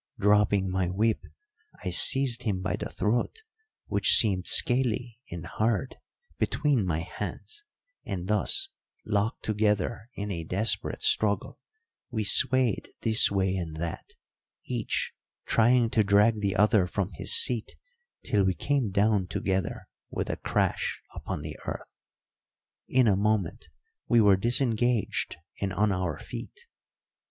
Dropping my whip, I seized him by the throat, which seemed scaly and hard, between my hands, and thus, locked together in a desperate struggle, we swayed this way and that, each trying to drag the other from his seat till we came down together with a crash upon the earth. In a moment we were disengaged and on our feet.